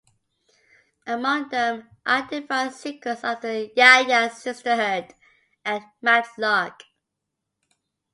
Among them are "Divine Secrets of the Ya-Ya Sisterhood" and "Matlock.